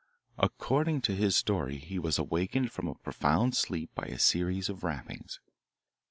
According to his story, he was awakened from a profound sleep by a series of rappings.